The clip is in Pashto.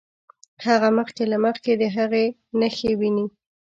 هغه مخکې له مخکې د هغې نښې ويني.